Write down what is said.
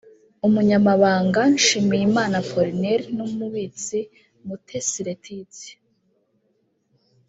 Umunyamabanga Nshimiyimana Apollinaire n’ umubitsi Mutesi Leatitia